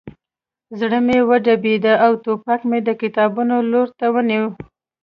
زړه مې وډبېده او ټوپک مې د کتابونو لور ته ونیو